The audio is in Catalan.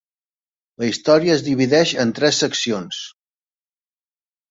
La història es divideix en tres seccions.